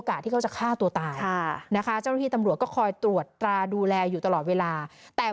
ก็ดูแลแบบนี้เป็นพิเศษแล้วถามว่าทำไม